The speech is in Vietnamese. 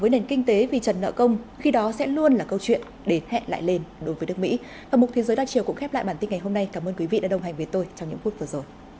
nền kinh tế vì trần nợ công khi đó sẽ luôn là câu chuyện để hẹn lại lên đối với nước mỹ